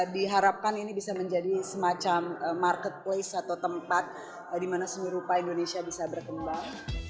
diharapkan ini bisa menjadi semacam marketplace atau tempat di mana seni rupa indonesia bisa berkembang